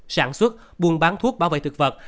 sản xuất buôn bán thuốc bảo vệ thực vật